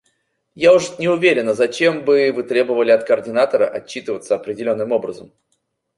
Я уж не уверена, зачем бы Вы требовали от координатора отчитываться определенным образом.